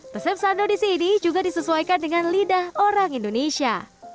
resep sando di sini juga disesuaikan dengan lidah orang indonesia